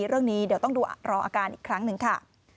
เรื่องนี้เดี๋ยวต้องรออาการอีกครั้งหนึ่งค่ะ